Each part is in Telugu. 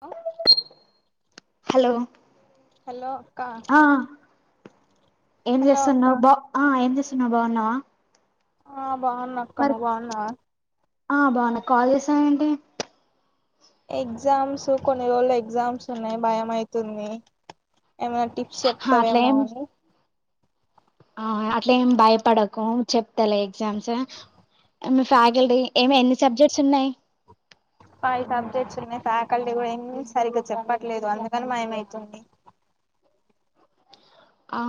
ఆ హలో హలో ఆ ఏం హలో అక్క చేస్తున్నా్ బా ఆ ఏం చేస్తు నువ్వు బాగున్నావా ఆ బాగున్నాక్క మరి నువ్వు బాగున్నావా ఆ బాగున్నా కాల్ చేసావేంటి ఎగ్జామ్స్ కొన్ని రోజుల్లో ఎగ్జామ్స్ ఉన్నాయి భయమవుతుంది ఏమైనా టిప్స్ చెప్తవేమో అట్లేం అని ఆ అట్లే ఏమి భయపడకు చెప్తలే ఎగ్జామ్స్ మీ ఫ్యాకల్టీ ఏమే ఎన్ని సబ్జెక్ట్స్ ఉన్నాయి ఫైవ్ సబ్జెక్ట్స్ ఉన్నాయి ఫ్యాకల్టీ కూడా ఏమి సరిగా చెప్పట్లేదు అందుకని భయమైతుంది ఆ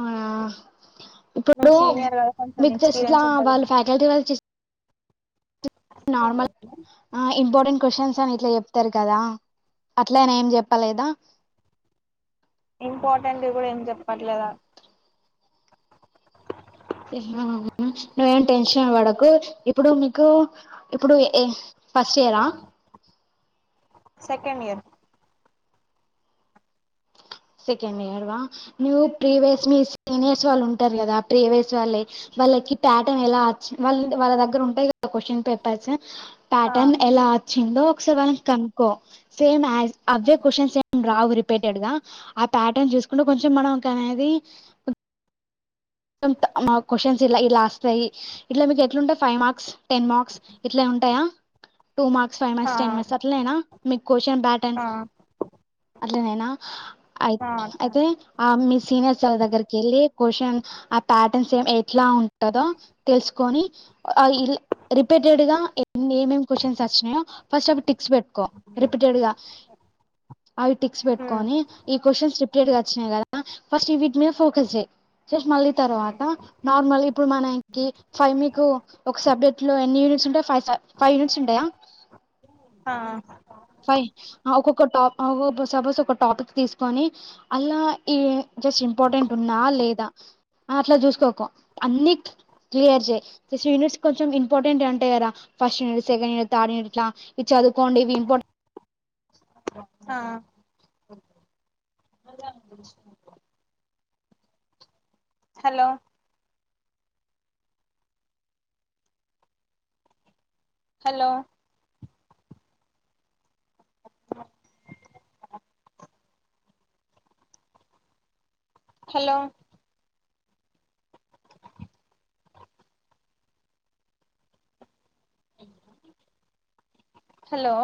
ఇప్పుడు నువ్వు సీనియర్ కదా కొంచెం మీకు టెస్ట్ల ఎక్స్పీరియన్స్ వాళ్ళు ఉంటదేమో ఫ్యాకల్టీ వాళ్ళు నార్మల్ ఆ ఇంపార్టెంట్ క్వశ్చన్స్ అని ఇట్లా చెప్ చెప్తారు కదా అట్లని ఏం చెప్పలేదా ఇంపార్టెంట్ వి కూడా ఏం చెప్పట్లేదా మ్మ్ నువ్వేం టెన్షన్ పడకు ఇప్పుడు మీకు ఇప్పుడు ఏ ఫస్ట్ ఇయరా సెకండ్ ఇయర్ సెకండ్ ఇయర్ వా నువు ప్రీవియస్ మీ సీనియర్స్ వాళ్ళు ఉంటారు కదా ప్రీవియస్ వాళ్ళయి వాళ్ళకి ప్యాటర్న్ ఎలా అచ్ వాళ్ళ వాళ్ళ దగ్గర ఉంటయి కదా క్వశ్చన్ పేపర్స్ ఆ ప్యాటన్ ఎలా చిందో ఒకసారి వాళ్ళని కనుకో సేమ్ ఆ అవే కశ్చన్ ఏం రావు రి పెట్టాడుగా ఆ ప్యాటర్న్ చూసుకుంటే కొంచెం మనం కనేది మా క్వశ్చన్స్ ఇలా ఇలాస్తాయి ఇట్లా మీకు ఎట్లుంటయి ఫైవ్ మార్క్స్ టెన్ మార్క్స్ ఇట్లా ఉంటాయా టూ మార్క్స్ ఫైవ్ ఆ మార్క్స్ టెన్ మార్స్ అట్లనేనా మీకు క్వశ్చన్ బ్యాటన్ ఆ అట్లా నేనా అయి ఆ అట్లానే అయితే ఆ మీ సీనియర్ సాల దగ్గరకి వెళ్లి క్వశ్చన్ ఆ ప్యాటర్న్స్ ఏ ఎట్లా ఉంటదో తెలుసుకని రిపీటెడ్ గా ఏమేం క్వశ్చన్స్ వచ్చినాయో ఫస్ట్ అవి టిక్స్ పెట్టుకో రిపీటెడ్గా అవి టిక్స్ హ్మ్ పెట్టుకోని ఈ క్వశ్చన్స్ రిపీటెడ్ గా వచ్చినాయి కదా ఫస్ట్ వీటి మీద ఫోకస్ చేయి చేసి మళ్ళీ తర్వాత నార్మల్ ఇప్పుడు మనకి ఫైవ్ మీకు ఒక సబ్జెక్ట్ లో ఎన్ని యూనిట్స్ ఉంటా ఫైవ్ ఫైవ్ యూనిట్స్ ఉంటయా ఆ ఒక్కొక్క టా ఒ సపోజ్ ఒక టాపిక్ తీసుకొని అల్లా ఈ జస్ట్ ఇంపార్టెంట్ ఉన్నా లేదా అట్లా చూసుకోకు అన్ని క్లియర్ చెయ్ యూనియర్స్ కొంచెం ఇంపార్టెంట్ అంటే కదా ఫస్ట్యూనియర్ సెకండ్ యూయర్ థడ్యూయర్ ఇట్లా ఇవి చవుకోండి ఇవి ఇంపార్టె ఆ హలో హలో హలో హలో